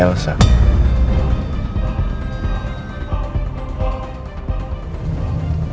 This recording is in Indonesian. persis dengan kesukaan elsa